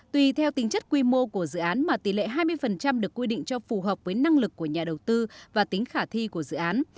tùy theo tính chất quy mô của dự án mà tỷ lệ hai mươi được quy định cho phù hợp với năng lực của nhà đầu tư và tính khả thi của dự án